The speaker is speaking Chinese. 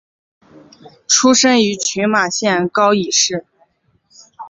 出身于群马县高崎市。